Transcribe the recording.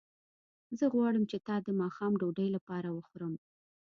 زه غواړم چې تا د ماښام ډوډۍ لپاره وخورم